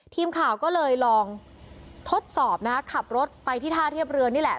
ทีมข่าวก็เลยลองทดสอบนะฮะขับรถไปที่ท่าเทียบเรือนี่แหละ